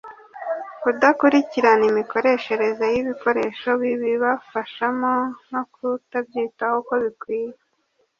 kudakurikirana imikoreshereze y’ibikoresho bibibafashamo no kutabyitaho uko bikwiye